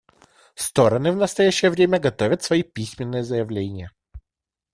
Стороны в настоящее время готовят свои письменные заявления.